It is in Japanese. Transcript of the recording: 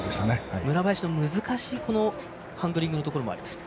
村林の難しいハンドリングのところもありました。